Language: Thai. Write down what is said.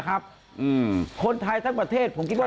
คุยกันต่อวันหลังนะเรื่องซิมเนี้ย